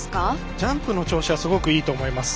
ジャンプの調子はすごくいいと思います。